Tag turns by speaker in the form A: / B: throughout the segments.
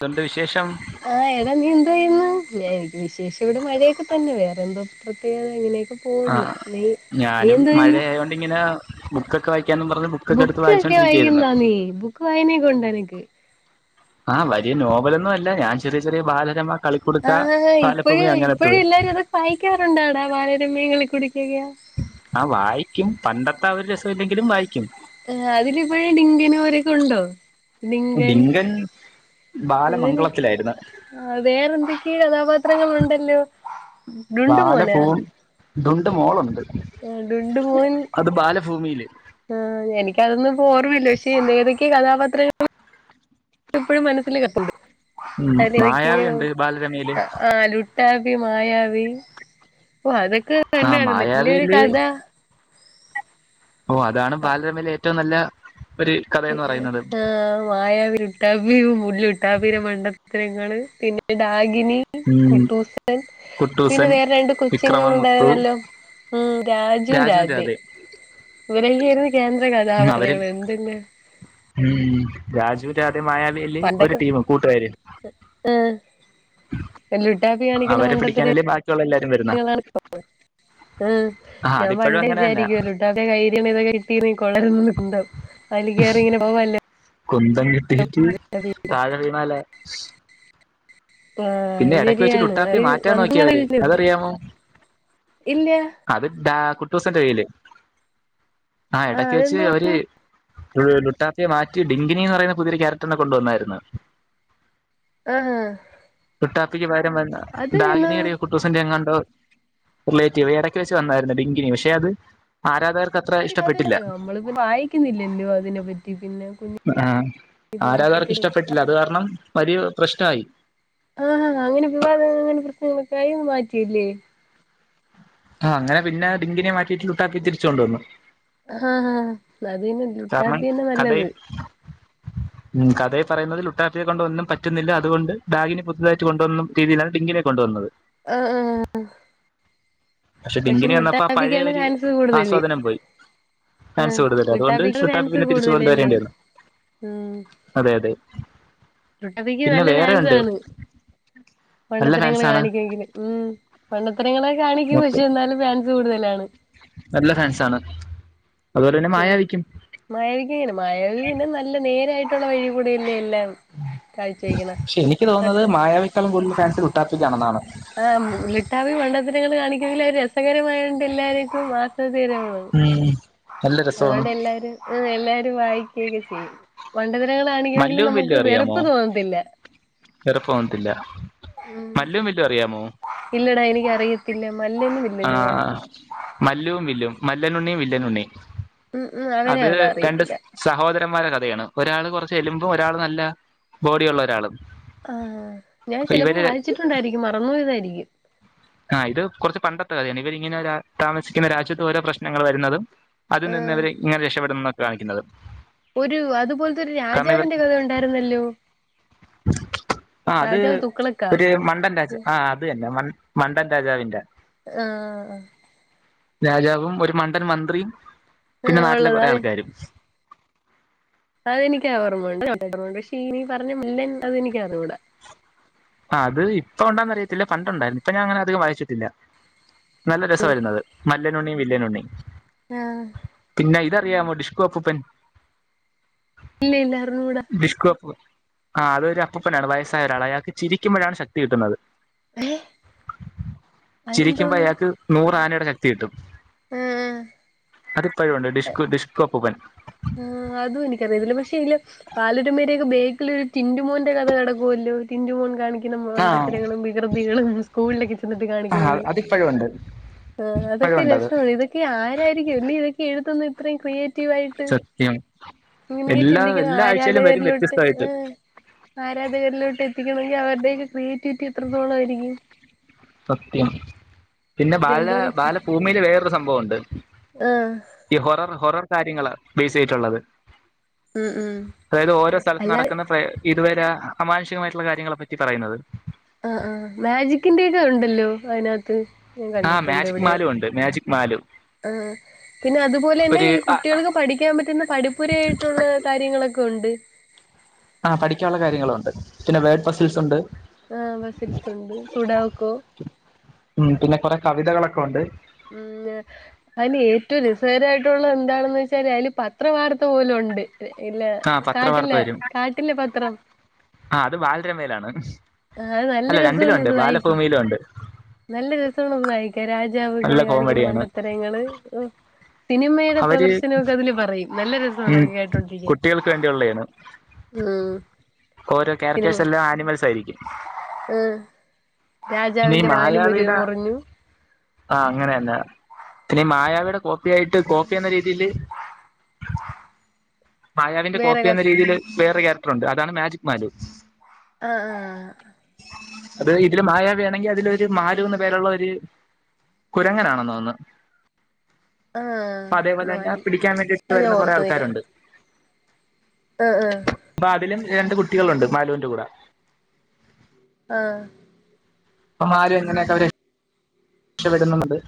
A: ന്തോണ്ട് വിഷയം
B: ആഎടാ നീ ന്തോ ചെയ്യണഞ എനിക്ക് വിശേഷം ഇവിടെ മഴയൊക്കെ തന്നെ വേറ ന്തോ പ്പ
A: ആ ഞാനും മഴയതൊണ്ട്ങ്ങനെ ബുക്കൊക്കെ വായി
B: ബുക്ക് ഒക്കെവായിക്കുവോ നീ ബുക്ക് വായന ഒക്കെ ഉണ്ടോ നി നക്ക്
A: ആ വലിയ നോവലൊന്നും അല്ല ഞാൻ ചെറിയ ചെറിയ ബാലരമാ
B: ആ ഇപ്പഴും ഇപ്പോഴും എല്ലാരും അത വായിക്കാറുണ്ടാടാ ബാരരമ്യങ്ങളിൽ കുടി
A: ആ വായിക്കും പണ്ടത്തെ ആ ഒരു രസ ഇല്ലെങ്കിലും വായിക്കും
B: ആ അതില ഇപ്പോഴും ഡിങ്കന അവരൊക്കെ ഉണ്ടോ
A: ഡിങ്കൻ
B: ര്
A: ബാലമംഗളത്തിലായിരുന്നു
B: വേറെന്തൊക്കെയ കഥാപാത്രങ്ങ ഉണ്ടല്ലോ ടുണ്ടുമോന
A: ടുണ്ട് മോളുണ്ട്
B: അ ഡുണ്ട് മോൻ
A: ഭൂമിയിൽ
B: ആഹ് ഈ കഥാപാത്രങ്ങൾ എപ്പോഴും മനസ്സൽ കത്തണ്ട്
A: ഉം
B: അത്വക്ക്
A: മായാവി ഉണ്ട് ബാലരമയില്
B: ആ ലട്ട ട്ടാവി മായാവി അപ്പൊ അതൊക്കെ
A: ആ
B: തന്നാണ് നല്ലയൊരു
A: മായാവിയില്
B: കഥ
A: ഓ അതാണ് ബാലരമയിലെ ഏറ്റവും നല്ല ഒരു കഥയെന്ന് പറയുന്നത്
B: ആ മായവി ലുട്ടാപ്പി മണ്ടത്തര പിന്നെ ഡാ ഡകിനി
A: ഉം
B: കുട്ടൂസൻ പിന്നെ
A: കുട്ടൂസൻ
B: വേറെ രണ്ട് കൊച്ചുങ്ങ
A: വിക്രമൻ മുത്തു
B: ഉണ്ടായിരുന്നല്ലോ ഉം രാജുവ
A: രാജുവും
B: രാധെ
A: രാധയും
B: ഇവരെല്ലാം ആയിരുന്നു കേന്ദ്ര കഥാപാത്രങ്ങൾ എന്തില്
A: ഉ രാജു രാത മായാവി അല്ലേ ഒരു
B: പണ്ടൊക്കെ
A: ടീം കൂട്ടുകാര്
B: ആ ലുട്ടാപ്പി കാണിക്കണ
A: അവരെ
B: മണ്ടത്തിന്
A: പിടിക്കാനല്ലേ ബാക്കിയുള്ള എല്ലാരും വരുന്ന
B: ഉ
A: ആ
B: ഞാൻ
A: അതിപ്പോഴും
B: പണ്ട
A: അങ്ങനെ തന്നെ
B: വിചാരിക്കു ലിട്ടാപ്പിനെ കൈയങ്ങ ഇതൊക്കെ അല കയറി കുന്തംഅതി കയറി ഇങ്ങനെ പോവല്ല
A: കുന്തം കിട്ടീട്ട് താഴെ വീണാലോ
B: ആഹ്
A: പിന്നെ
B: അത്
A: ഇടക്ക് വെച്ചട്ട
B: ശരിയാണ്
A: ലുട്ടാപ്പി
B: അത്
A: മാറ്റാൻ നോക്കിയ
B: മന്ത്രങ്ങള്
A: അവര് അതറിയാമോ
B: ഇല്ല
A: അത് ഡ കുട്ടസന്റെ കയ്യില് ആ
B: ആഹ്
A: ഇടക്ക് വെച്ച്
B: അതെന്തോ
A: അവര് ലുട്ടാത്തയെ മാറ്റി ഡിങ്കിനി എന്ന് പറയുന്ന പുതിയൊരു ക്യാരക്ടറിന്നെ കൊണ്ടുവന്നായിരുന്നു
B: ആ ആ
A: കുട്ടാപ്പിക്ക് പകരം വന്ന ഡാഗിനിയടയോ കുട്ടൂസിന്റെ എങ്ങാണ്ടോ റിലേറ്റീവ് ഇടയ്ക്ക് വെച്ച് വന്നായിരുന്നു ഡിങ്കിനി പക്ഷെ അത് ആരാധകർ
B: ഒരു കഥ നമ്മളിപ്പത് വായിക്കുന്നില്ലല്ലോ അതിനെ പറ്റി പിന്നെ കുഞ്ഞ
A: ആഹ് ആരാധകർക്ക് ഇഷ്ടപ്പെട്ടില്ല അത് കാരണം വലിയ പ്രശ്നമായി
B: ആ അങ്ങനെ വിവാദങ്ങ അങ്ങനെ പ്രശ്നങ്ങളൊക്കെ ആയി മാറ്റില്ലേ
A: ആ അങ്ങനെ പിന്നെ ഡിങ്കിനെ മാറ്റിയിട്ട ലുട്ടാപ്പിതിരിച്ചൊണ്ടന്നു
B: ആഹ് ആനദീന്നെ
A: കാരണം
B: ലുട്ടാത്തിന്നെ നല്ലത്
A: കഥയിൽ
B: [unintelligible]
A: ഉം കഥെയെ പറയുന്നത് ലുട്ടാപ്പിയെ കൊണ്ടുഒന്നും പറ്റുന്നില്ലഅതുകൊണ്ട് ഡാഗിനി പുതുയതായിട്ട് കൊണ്ടുവന്ന രീതിയിലാണ് ഡിങ്കിനെ കൊണ്ടുവന്നത്
B: ആഹ ആ പക്ഷെ
A: ഡിങ്കിനി വന്നപ്പോ ആ പഴയ
B: ലുട്ടാബിക്കാണ്
A: ഒരു
B: ചാൻസ് കൂടുതല്
A: ആസ്വാദനം പോയി
B: ആ
A: ഫാൻസ് കൂടുതൽ അതുകൊണ്ട്
B: ലു
A: ലുട്ടാപ്പി
B: ഫാൻസ്
A: പിന്നെ തിരിച്ചു
B: കൂടുതലല്ലേ
A: കൊണ്ടുവരേണ്ടി വന്നു
B: ഉ
A: അതെ അതെ
B: ലുട്ടാപ്പിക്ക്
A: പിന്നെ
B: നല്ല
A: വേറെ ഉണ്ട്
B: ഫാൻസാണ്
A: നല്ല
B: മണ്ടത്തരങ്ങൾ
A: ഫാൻസാണ്
B: കാണിക്കെങ്കിൽ ഉ പണ്ട അത്തരങ്ങളെ കാണിക്കും പക്ഷേ
A: മൊത്തം
B: എന്നാലും ഫാൻസ് കൂടുതലാണ്
A: നല്ല ഫാൻസ ആാണ്
B: മയാവിക്ക് ഇങ്ങനെ മയാവി പിന്നെ നല്ല നേരായിട്ടുള്ള വഴി കൂടല്ലേ
A: പക്ഷെ എനിക്ക് തോന്നുന്നത്
B: പറ്റും
A: മായാവിക്കളും ഫാൻസ ലുട്ടാപ്പിക്കാണെന്നതാണ്
B: ആ ലുട്ടാപ്പി മണ്ടത്തരങ്ങൾ കാണിക്കുന്നൽര് രസകരമായണ്ട് എല്ലാരക്കും മാസ ര
A: ഉം നല്ല രസമാണ്
B: അതുകൊണ്ട് എല്ലാരും എല്ലാരും വായിക്കയൊക്കെ ചെയ്യും മണ്ടതനങ്ങളൾാണിക്കെങ്കിലും
A: മല്ലുവും
B: നമുക്ക് വെറുപ്പ് തോന്നത്തില്ല
A: വെറപ്പ വന്നത്തില്ല
B: ഉം
A: മല്ലും വില്ലും അറിയാമോ
B: ഇല്ലടാ എനിക്കറിയത്തില്ല മല്ലനും
A: ആ
B: വില്ലനുവാ
A: മല്ലും വില്ലും മല്ലെനണ്ണി വല്ലനണ്ണി
B: ഉം ഉം അവന്
A: അത് രണ്ട്
B: അറിയത്തില്ല
A: സഹോദരന്മാരെ കഥ ഒരാൾ കുറച്ച് എല്ലുമ്പോ ഒരാൾ നല്ല ബോഡിയുള്ള ഒരാളും
B: ആഹ ഞാൻ
A: അപ്പൊ
B: ചിലപ്പോ
A: ഇവര്
B: വായിച്ചിട്ടുണ്ടായിരിക്കും മറന്നു പോയതായിരിക്കും
A: ആഹ് ഇത് കുറച്ച് പണ്ടത്തെ കഥയാണ് ഇവരിങ്ങനെ താമസിക്കുന്ന രാജ്യത്ത് ഓരോ പ്രശ്നങ്ങൾ വരുന്നതും അത് നിന്ന്
B: ആഹ്
A: ഇവര് എങ്ങനെ രക്ഷപ്പെടുന്ന എന്നൊക്കെ കാണിക്കുന്നത്
B: ഒരു അതുപോലത്തെരു
A: കാരണം ഇവർ
B: രാജാവിന്റെ കഥ ഉണ്ടായിരുന്നല്ലോ
A: ആ അത്
B: രാജാവ് തുക്കളക്കാ
A: ഒരു മണ്ടൻ രാജ ആ അത് തന്നെ മ മണ്ടൻ രാജാവിന്റെ
B: ആഹ ആ
A: രാജാവും ഒരു മണ്ടൻ മന്ത്രിയും പിന്നെ
B: ആഹ്
A: നാട്ടിലെ
B: ഉള്ളത്
A: കുറേ
B: അതെ
A: ആൾക്കാരും
B: അതെനിക്ക് ഓർമ്മുണ്ട് ർണ്ട് പക്ഷെ നീ പറഞ്ഞ മില്ലൻ കഥ അതെനക്ക് അറിഞ്ഞൂടാ
A: ആ അത് ഇപ്പൊ ഉണ്ടാന്ന് അറിയത്തില്ല പണ്ട ഉണ്ടായിരുന്നു ഇപ്പൊ ഞാൻ അങ്ങനെ അധികം വായിച്ചിട്ടില്ല നല്ല രസവായിരുന്നത് മല്ലന ഉണ്ണിയും വില്ന ഉണ്ണിയും
B: ആഹ
A: പിന്നെ ഇതറിയാമോ ഡിഷ്കോഅപ്പൂപ്പൻ
B: ഇല്ല ഇല്ല അറിഞ്ഞൂടാ
A: അപ്പൂപ്പൻ ആ അതൊരു അപൂപ്പനാണ് വയസ്സായ ഒരാൾ അയാൾക്ക് ചിരിക്കുമ്പോഴാണ് ശക്തി കിട്ടുന്നത് ചിരിക്കുമ്പോ
B: അതെന്തോന്ന്
A: അയാൾക്ക് നൂർ ആനയുടെ ശക്തി കിട്ടും
B: ആഹ്
A: അതിപ്പോഴുണ്ട് ഡിഷ്കു ഡിഷ്കു അപ്പുപ്പൻ
B: ആഹ അതും എനിക്കറിയതില്ല പക്ഷേ അതില് ബാലരുമേടൊക്കെ ബേക്കിൽ ഒരു ടിന്റുമോന്റെ കഥ കടക്കുവല്ലോ ടിന്റുമോൻ കാണിക്കുന്ന
A: ആ
B: മണ്ടത്തരങ്ങളും വികൃതികളും സ്കൂളിലൊക്കെ ചെന്നിട്ട്
A: ആ
B: കാണിക്കുന്നത്
A: അതിപ്പോഴും ഉണ്ട്
B: ആഹ്
A: ഇപ്പോഴും
B: അതൊക്കെ
A: ഉണ്ട് അത്
B: രസമാണ് ഇതൊക്കെ ആരായിരിക്കും ഇല്ല ഇതൊക്കെ ആരായിരിക്കും എഴുത്തന്ന് ഇത്രയും ക്രിയേറ്റീവ് ആയിട്ട്
A: സത്യം
B: ഇങ്ങനെയൊക്കെ
A: എല്ലാ
B: ചിന്തിക്കണം
A: എല്ലാ ആഴ്ചയിലും വരും
B: ആരാധകരിലോട്ട്
A: വ്യത്യസ്തമായിട്ട്
B: ആഹ് ആരാധകരിലോട്ട് എത്തിക്കണെങ്കിൽ അവരുടെയക്കെ ക്രിയേറ്റിവിറ്റി എത്രത്തോളം ആയിരിക്കും
A: സത്യം പിന്നെ ബാല
B: അവരെന്തോരം ചി
A: ബാലഭൂമിയില് വേറൊരു സംഭവം ഉണ്ട്
B: ആ
A: ഈ ഹൊറർ ഹൊറർ കാര്യങ്ങൾ ബേസ് ചെയ്ട്ടുള്ളത്
B: ഉം ഉം
A: അതായത് ഓരോ സ്ഥലത്ത്
B: അല്ല
A: നടക്കുന്ന ഫെ ഇതുവരെ അമാനുഷികമായിട്ടുള്ള കാര്യങ്ങളെ പറ്റി പറയുന്നത്
B: ആ ആ മാജിക്കിന്റെക്കെ ഉണ്ടല്ലോ അതിനകത്ത് ഞാൻ
A: ആഹ് മാജിക് മാലു ഉണ്ട് മാജിക് മാലു
B: ആഹ് പിന്നെ അതുപോലെ തന്നെ
A: ഒരു
B: ഈ
A: ആ
B: കുട്ടികൾക്ക് പഠിക്കാൻ പറ്റുന്ന പഠിപ്പുര ആയിട്ടുള്ള കാര്യങ്ങളൊക്കെ ഉണ്ട്
A: ആഹ് പഠിക്കാനുള്ള കാര്യങ്ങളുണ്ട് പിന്നെ വേർഡ് ഫസിൽസ് ഉണ്ട്
B: ആഹ ഫസിൽസുണ്ട് സുഡാക്കോ
A: ഉം പിന്നെ കൊറെ കവിതകളൊക്കെ ഉണ്ട്
B: ഉം അതിന് ഏറ്റവും രസകരായിട്ടുള്ള എന്താണെന്ന് വെച്ചാല് അതില് പത്ര വാർത്ത പോലും ഉണ്ട് ഇല്ല
A: ആ പത്രവാർത്ത
B: കാട്ടില്ല
A: വരും
B: കാട്ടിൽ പത്രം
A: ആ അത് ബാലരമയിലാണ്
B: ആ അത് നല്ല
A: അല്ല രണ്ടിലുണ്ട്
B: രസവാണത് വഴിക്കാൻ
A: ബാലഭൂമിയിലും ഉണ്ട്
B: നല്ല രസമാണ് വാണത് വായിക്കാൻ രാജാവ്
A: നല്ല
B: ഇങ്ങനെ കാണിക്കുന്ന
A: കോമഡിയാണ്
B: മണ്ടത്തരങ്ങള് സിനിമയുടെ
A: അവര്
B: പ്രദർശനമൊക്കെ അതില് പറയും നല്ല
A: ഉം
B: രസമാണ്തൊക്കെ കേട്ടോണ്ടിക്കാൻ
A: കുട്ടികൾക്ക് വേണ്ടിയുള്ളതാണ്
B: ആ
A: ഓരോ ക്യാരറ്റേഴ്സ് എല്ലാം ആനിമൽസ് ആയിരിക്കും
B: ഉം
A: പിന്നെ ഈ
B: രാജാവിന്റെ വാല് മുരു
A: മായാവിയുടെ
B: മുറിഞ്ഞു
A: ആഹ അങ്ങനെയന്നെ പിന്നെ മായവിയയുടെ കോപ്പി ആയിട്ട് കോപ്പി എന്ന രീതിയില് മായാവിന്റെ
B: വേറെ
A: കോപ്പി
B: ക
A: എന്ന രീതിയിയില് വേറെ ക്യാരക്ടർ ഉണ്ട് അതാണ് മാജിക് മാലു
B: ആഹ ആഹ്
A: അത് ഇതില് മായ വേണെങ്കിൽ അതിലരു മാലു ന്ന് പേരുള്ള ഒരു കുരങ്ങനാണോെന്ന്ന്നു
B: ആഹ്
A: അപ്പൊ അതേപോലെ തന്നെ
B: മാലി
A: പിടിക്കാൻ വേണ്ടിട്ട്
B: അത് ഞാൻ
A: വരുന്ന കുറേ ആൾക്കാരുണ്ട്
B: ആഹ ആഹ്
A: അപ്പൊ അതിലും രണ്ട് കുട്ടികളുണ്ട് മലൂവിന്റെ കൂടെ
B: ആഹ
A: അപ്പൊ മാലു എങ്ങനെയൊക്കെ അവർ രക്ഷപ്പെടണമെന്നുണ്ട്.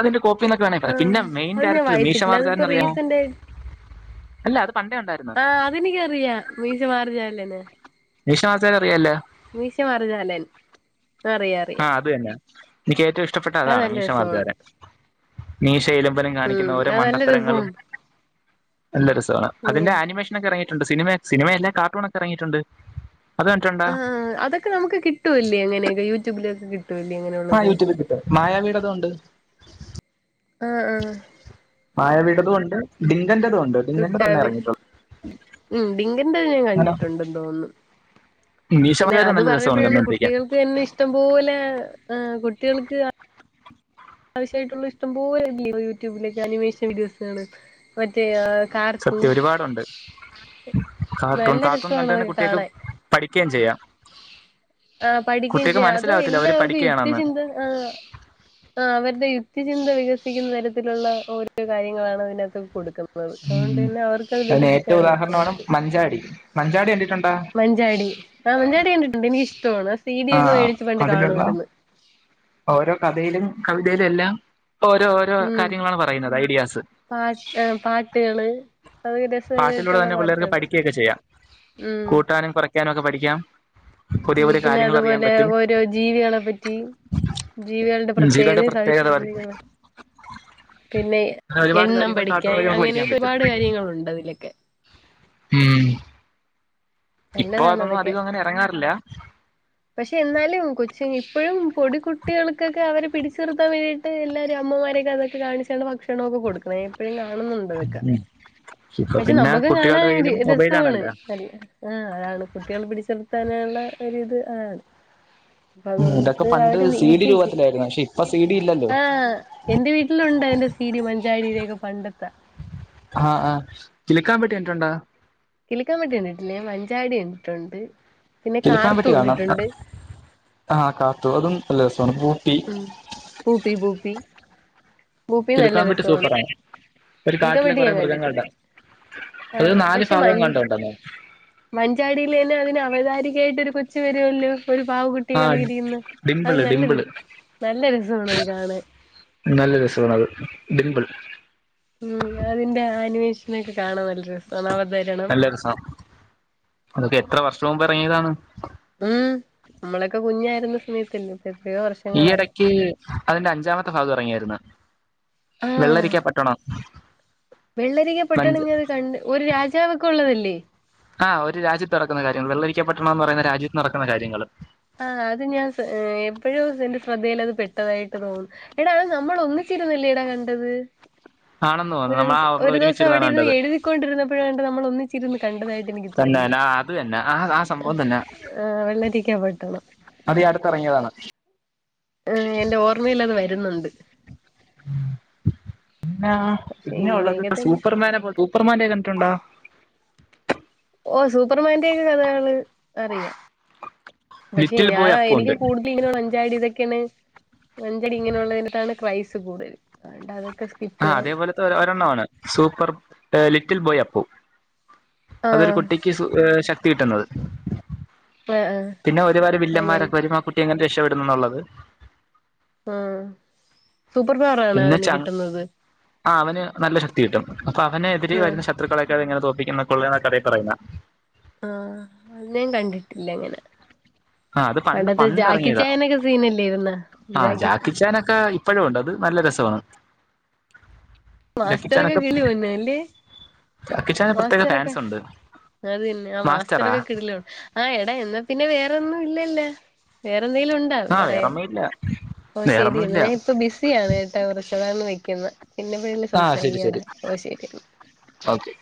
A: അതിന്റെ കോപ്പിന്നൊക്കെവേണേ പറയാം.
B: ആഹ്
A: പിന്നെമെയിൻ
B: അത് ഞാൻ
A: ക്യാരക്ടർ
B: വായിച്ചിട്ടില്ല
A: മീശമാർജാലനെ
B: അതിപ്പോ
A: ന്നറിയാമോ?
B: റീസന്റ്
A: അല്ല അ
B: ആ അതെനിക്കറിയാം മീശമാർജാലന്
A: മീശമാർജാലന്നെന്നറിയാമല്ലോ
B: മീശമാർജാലൻ അറിഞ്ഞാമറിയാം.
A: എനിക്കേറ്റവുമിഷ്ടപ്പെട്ട തതാണു മീശമാർജാലൻ മീശയും ഇലമ്പനും
B: ഉം
A: കാണിക്കുന്നയോരോ
B: അത് നല്ല
A: മണ്ടത്തരങ്ങളും.
B: രസമാണ്
A: നല്ലരസമാണ്. അതിന്റെ
B: ഉം
A: ആനിമേഷനൊക്കെ ഇറങ്ങിയിട്ടുണ്ട്. സിനിമ സിനിമയല്ലാ കാർട്ടൂണൊക്കെറങ്ങിയിട്ടുണ്ട്.
B: ആ അതൊക്കെനമുക്കു കിട്ടൂലേയങ്ങനെ യൂട്യൂബിലൊക്കെ കിട്ടൂ
A: ആ യൂട്യൂബിൽകിട്ടും. മായാവീടെയതുണ്ട്.
B: അ ആ
A: അതുകൊണ്ട് [inaudible]
B: ലൂട്ടാപ്പി ഉം ഡിങ്കന്റേ ഞാൻ
A: അങ്ങനെ
B: കണ്ടിട്ടുണ്ടെന്നുതോന്നുന്നു.
A: മീശമലയാരം നല്ല രസമാണ്
B: പിന്നെയതുപറഞ്ഞപ്പോളാണ്
A: കണ്ടോണ്ടിരിക്കാൻ
B: കുട്ടികൾക്കു തന്നെയിഷ്ടം പോലെ ആ കുട്ടികൾക്ക് ആവശ്യമായിട്ടുള്ള ഇഷ്ടം പോലെയുണ്ട്. യൂട്യൂബിലൊക്കെ അനിമേഷൻ വീഡിയോസുകള് മറ്റേ ആ കാർത്തു,
A: സത്യം ഒരുപാടുണ്ട് കാർട്ടൂൺ
B: നല്ല
A: കാർട്ടൂൺ കണ്ട് തന്നെ
B: രസമാണതൊക്കെ
A: കുട്ടികൾക്ക്
B: കാണാൻ
A: പഠിക്കുകയും ചെയ്യാം
B: ആ പഠിക്കുകയും
A: കുട്ടികൾക്ക്
B: ചെയ്യാം.
A: മനസ്സിലാവത്തില്ല അവര്
B: അതുഎല്ലാവർക്കും
A: പഠിക്കുകയാണെന്ന്
B: യുക്തിചിന്ത ആ ആ, അവരുടെ യുക്തിചിന്ത വികസിപ്പിക്കുന്ന തരത്തിലുള്ള ഓരോരോ കാര്യങ്ങളാണ് അതിനകത്തുകൊടുക്കുന്നത്.
A: ഉം അതിനേറ്റവും
B: കൊച്ചുങ്ങൾക്ക്
A: ഉദാഹരണമാണുമഞ്ചാടി. 'മഞ്ചാടി 'കണ്ടിട്ടു
B: മഞ്ചാടി ആ മഞ്ചാടി കണ്ടിട്ടുണ്ട്. എനിക്കിഷ്ടമാണ്. സി ഡി
A: ആ
B: ഒക്കെ മേടിച്ച് പണ്ട് കാണുമായിരുന്നു
A: അതിലുള്ളയോരോ കഥയിലും കവിതയിലുമെല്ലാം. ഓരോരോ
B: ഉം
A: കാര്യങ്ങളാണുപറയുന്നത് ഐഡിയാസ്
B: പാട്ട് പാട്ടുകള് അത് രസകരമായിട്ടുള്ള
A: പാട്ടിലൂടെതന്നെ പിള്ളേർക്കു
B: പാട്ടുകള്
A: പഠിക്കുകയൊക്കെ ചെയ്യാം.
B: ഉം
A: കൂട്ടാനും കുറ കുറക്കാനൊക്കെപഠിക്കാം. പുതിയ പുതിയ കാര്യങ്ങൾ അറിയാൻ പറ്റും
B: പിന്നെയതുപോലെയോരോ ജീവികളെപറ്റി ജീവികളുടെ
A: ജീവികളുടെ
B: പ്രത്യേകതയും,
A: പ്രത്യേകത പറയും
B: സവിശേഷതകളും പിന്നെ
A: അങ്ങനെ ഒരുപാട് കാര്യങ്ങൾ കാർട്ടൂൺ
B: എണ്ണംപഠിക്കാൻ
A: വഴി നമുക്ക് പഠിക്കാൻ പറ്റും
B: അങ്ങനെയൊക്കെയൊരുപാടു കാര്യങ്ങളുണ്ടതിലൊക്കെ
A: ഉം ഇപ്പൊ അതൊന്നും
B: നല്ലതാണതൊക്കെ
A: അധികം അങ്ങനെ ഇറങ്ങാറില്ല
B: പക്ഷേയെന്നാലും കൊച്ചി നിപ്പളും പൊടികുട്ടികൾക്കൊക്കെ അവരെ പിടിച്ചു നിർത്താൻവേണ്ടിയിട്ട് എല്ലാവരും അമ്മമാരൊക്കെയതൊക്കെ കാണിച്ചാണു ഭക്ഷണം ഭക്ഷണമൊക്കെ കൊടുക്കുന്നേ എപ്പളും കാണുന്നുണ്ടതൊക്കെ അതൊക്കെ
A: ഉം ഇപ്പൊ പിന്നെ കുട്ടികളുടെ
B: പക്ഷേനമ്മുക്കുംകാണാൻ
A: കയ്യിലും മൊബൈൽ
B: രസമാണ്
A: ആണല്ലോ
B: കഴി ആ അതാണ്കുട്ടികൾ പിടിച്ചു നിർത്താനള്ള ഒരിത് ആ
A: ഉം ഇതൊക്കെ
B: അപ്പൊഅതുകൊണ്ട്
A: പണ്ട് സി ഡി
B: അവരിരിക്കയുംചെയ്യും.
A: രൂപത്തിലായിരുന്നു പക്ഷെ ഇപ്പൊ സി ഡി ഇല്ലല്ലോ
B: ആ എന്റെ വീട്ടിലുണ്ടതിന്റെ സി ഡി മഞ്ചാടിയുടെയൊക്കെ പണ്ടത്ത
A: ആഹ് ഹാ കിലുക്കാൻ പെട്ടി കണ്ടിട്ടുണ്ടോ
B: കിലുക്കാൻപെട്ടി കണ്ടിട്ടില്ല ഞാൻ മഞ്ചാടി കണ്ടിട്ടുണ്ട് പിന്നെ
A: കിലിക്കാൻ
B: കാർത്തു
A: പെട്ടി കാണണം
B: കണ്ടിട്ടുണ്ട്
A: ആതും ആഹ് കാർത്തൂതുവും നല്ല രസമാ
B: ഉം പൂപ്പി പൂപ്പി പൂപ്പി നല്ല
A: കിലുക്കാൻ പെട്ടി
B: രസമാണ്
A: സൂപ്പറാണ് ഒരു കാട്ടിലെകുറെ മൃഗങ്ങളുടെ
B: ആ
A: അത് നാല്
B: പക്ഷേ
A: ഭാഗം
B: മഞ്ച്
A: എങ്ങാണ്ടോ ഉണ്ടെന്ന്
B: മഞ്ചാടിയിൽ നിന്നു തന്നെ അവതാരികായിട്ടൊരു കൊച്ചുവരുവല്ലോ ഒരു
A: ആഹ്
B: പാവകുട്ടിയേകണക്കിരിക്കുന്നു
A: ഡിംപിള്
B: അതുനല്ല രസ
A: ഡിംപിള്
B: നല്ലരസമാണതു കാണാൻ
A: നല്ല രസമാണ് അത് ഡിമ്പിൾ
B: ഉം അതിന്റെ ആനിമേഷനൊക്കെ കാണാൻ നല്ല രസാണ് അവർ
A: നല്ലരസാണ് അതൊക്കെയെത്രവർഷംമുമ്പിറങ്ങി യതാണ്
B: ഉം നമ്മളൊക്കെ കുഞ്ഞായിരുന്ന സമയത്തല്ലേ എത്രയോ വർഷങ്ങളായി
A: ഈയിടക്ക് അതിന്റെ അഞ്ചാമത്തെ ഭാഗം ഇറങ്ങിയായിരുന്നു
B: ആഹ്
A: വെള്ളരിക്കാപട്ടണം
B: വെള്ളരിക്ക പട്ടണ അത് കണ്ട് ഒരു രാജാവൊക്കെ ഉള്ളതല്ലേ
A: ആഹ് ഒരു രാജ്യത്ത് നടക്കുന്ന കാര്യങ്ങൾ വെള്ളരിക്ക പട്ടണം എന്ന് പറയുന്ന രാജ്യത്ത് നടക്കുന്ന കാര്യങ്ങൾ
B: ആഹ് അത് ഞാൻ എപ്പോഴും എന്റെ ശ്രദ്ധയിൽ അത് പെട്ടതായിട്ട് തോന്നും എടാ അത് നമ്മള ഒന്നി [unintelligible] എടാ കണ്ടത്
A: ആണെന്ന് തോന്നുന്നു
B: ഒരു ദിവ
A: നമ്മളാ നമ്മള്
B: ഒരു ദിവസം
A: ഒരുമിച്ചിരുന്നാണ്
B: അവിടെരുന്ന്
A: കണ്ടത്
B: എഴുതിക്കൊണ്ടിരുന്നപ്പോഴ കണ്ട നമ്മൾ ഒന്നി
A: തന്നെന്നെ അത് തന്നെ ആഹ് ആഹ് സംഭവം തന്നെ
B: ആഹ് വെള്ളരിക്ക പട്ടണം
A: അത് അടുത്ത്റങ്ങിയതാണ്
B: ആഹ് എൻ്റെ ഓർമ്മൽ അത് വരുന്നുണ്ട്
A: [unintelligible] ആഹ്
B: പക്ഷെ
A: പിന്നെ ഉള്ളത്
B: ഇങ്ങനെയൊക്കെ തന്നെ
A: സൂപ്പർമാന സൂപ്പർമാനേ കണ്ടിട്ടുണ്ടോ
B: ഓ സൂപ്പർമാൻ്റൊക്കെ കഥകള് അറിയാം പക്ഷെ
A: ലിറ്റിൽ
B: ഞാൻ
A: ബോയ് അപ്പുണ്ട്
B: എനിക്ക് കൂടുതൽ ഇങ്ങന മഞ്ചാടി ഇതൊക്കെണ് അഞ്ചടി ഇങ്ങനെള്ളതിനത്താണ് ക്രൈസ് കൂടുതൽ അതുകൊണ്ട് അതൊക്കെ
A: ആഹ്
B: സ്കിപ്പിടാണ്
A: അതേപോലത്തെ ഒരെണ്ണമാണ് സൂപ്പർ ലിറ്റിൽ ബോയ് അപ്പൂ അതൊരു
B: ആഹ്
A: കുട്ടിക്ക് ഏഹ് ശക്തി കിട്ടുന്നത്
B: ആഹ് ആഹ്
A: പിന്നെ ഒരു
B: അത് ഞാൻ
A: വരവില്ലന്മാരൊ [unintelligible] കുട്ടി എങ്ങനെ രക്ഷപ്പെെടുന്നു എന്നുള്ളത്
B: ആഹ് സൂപ്പർ പവറ ആണോ
A: പിന്നെ
B: ഇനി
A: ച
B: കിട്ടുന്നത്
A: ആ അവന് നല്ല ശക്തി കിട്ടും അപ്പൊ അവനെതിരെ
B: ആഹ്
A: വരുന്ന ശത്രുക്കളെയൊക്കെ ഇങ്ങനെ തോക്കും [unintelligible] കൊള്ളേ എന്ന കഥയി പറയുന്ന
B: ആഹ് അത്ഞാ കണ്ടിട്ടില്ല ഇങ്ങനെ
A: ആ അത് പണ്ട്
B: പണ്ടത്തെ
A: പണ്ട്
B: ജാക്കി
A: ഇറങ്ങിയതാ
B: ചായ്നൊക്കെ സീനല്ലേ ഇരുന്ന ജാക്കി
A: [unintelligible] ഇപ്പഴുംണ്ട് അത് നല്ല രസവ
B: മാസ്റ്റർഗ [unintelligible] അല്ലെ
A: വിച്ചാന് പ്രത്യേക ഫാൻസ് ഉണ്ട്
B: അത് നെ ആ
A: മാസ്റ്ററാ
B: മാസ്റ്ററൊക്കെ കിടലോ ആഹ് എടാ എന്നാ പിന്നെ വേറൊന്നും ഇല്ലല്ലോ എന്തെങ്കിലും ഉണ്ടാ
A: ആ
B: പറയാൻ
A: വേറൊന്നുമില്ല
B: ഓ ശരിയ
A: വേറൊന്നുമില്ല
B: ഞൻ ഇപ്പ ബിസിയാണ് ഏട്ടാ കുറച്ച വ പിന്നെപ്പോഴെ
A: ആ ശരി
B: സംസാരിക്കയടാ
A: ശരി
B: ഓ ശരി
A: ഓക്കെ